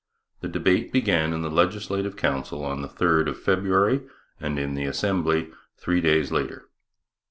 The debate began in the Legislative Council on the 3rd of February and in the Assembly three days later.